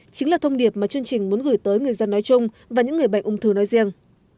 chính là thông điệp mà chương trình muốn gửi tới người dân nói chung và những người bệnh ung thư nói riêng